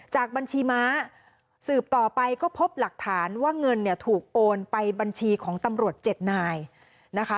จากบัญชีม้าสืบต่อไปก็พบหลักฐานว่าเงินเนี่ยถูกโอนไปบัญชีของตำรวจ๗นายนะคะ